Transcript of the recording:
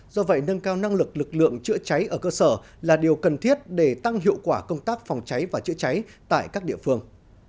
do vậy nâng cao năng lực lực lượng chữa cháy ở cơ sở là điều cần thiết để tăng hiệu quả công tác phòng cháy và chữa cháy tại các địa phương